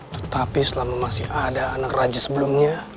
tetapi selama masih ada anak raji sebelumnya